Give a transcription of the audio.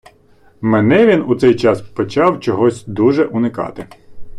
Мене він у цей час почав чогось дуже уникати.